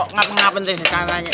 ngapain ngapain terserah tanya